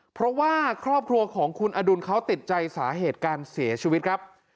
เพราะว่าครอบครัวของคุณอดุลเขาติดใจสาเหตุการเสียชีวิตครับ